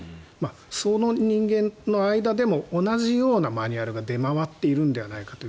その人間の間でも同じようなマニュアルが出回っているんじゃないかという。